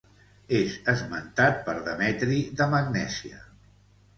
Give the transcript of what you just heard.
És esmentat per Demetri de Magnèsia.